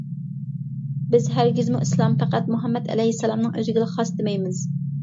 بىز ھەرگىزمۇ ئىسلام پەقەت مۇھەممەد ئەلەيھىسسالامنىڭ ئۆزىگىلا خاس، دېمەيمىز.